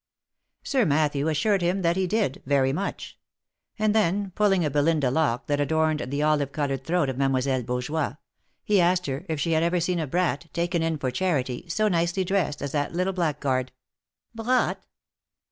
Sir Matthew assured him that he did, very much ; and then pulling a Belinda lock that adorned the olive coloured throat of Mademoiselle Beaujoie, he asked her if she had ever seen a brat, taken in for charity, so nicely dressed as that little blackguard." "Brawt?